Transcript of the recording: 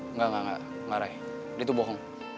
enggak enggak enggak enggak rai dia tuh bohong